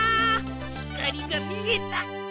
ひかりがみえた！